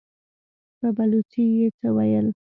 په بلوڅي يې څه وويل!